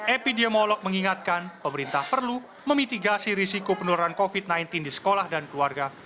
epidemiolog mengingatkan pemerintah perlu memitigasi risiko penularan covid sembilan belas di sekolah dan keluarga